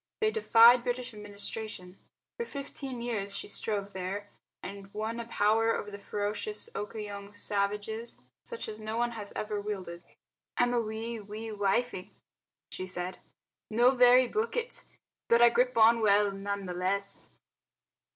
They defied British administration. For fifteen years she strove there, and won a power over the ferocious Okoyong savages such as no one has ever wielded. "I'm a wee, wee wifie," she said, "no very bookit, but I grip on well none the less."